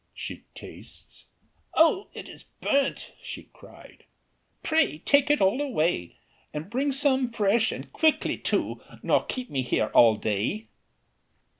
She tastes: "Oh, it is burnt," she cried, "Pray take it all away, And bring some fresh, and quickly too, Nor keep me here all day."